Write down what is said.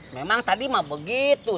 memang tadi mah begitu